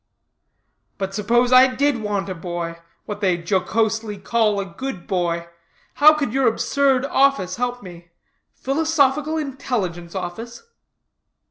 "But suppose I did want a boy what they jocosely call a good boy how could your absurd office help me? Philosophical Intelligence Office?"